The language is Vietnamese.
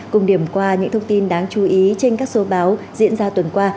cùng điểm qua những thông tin đáng chú ý trên các số báo diễn ra tuần qua